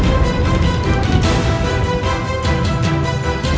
aku juga ingin mengambil darah suci